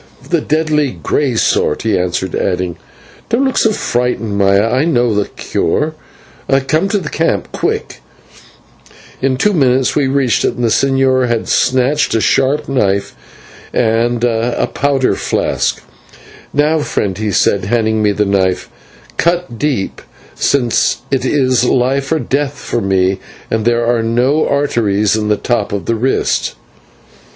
"The deadly grey sort," he answered, adding: "Don't look so frightened, Maya, I know a cure. Come to the camp, quick!" In two minutes we reached it, and the señor had snatched a sharp knife and a powder flask. "Now, friend," he said, handing me the knife, "cut deep, since it is life or death for me and there are no arteries in the top of the wrist."